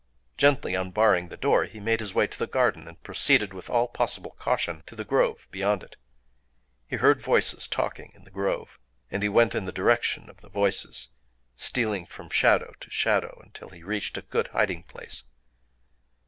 Gently unbarring the door, he made his way to the garden, and proceeded with all possible caution to the grove beyond it. He heard voices talking in the grove; and he went in the direction of the voices,—stealing from shadow to shadow, until he reached a good hiding place.